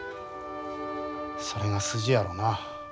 それが筋やろな。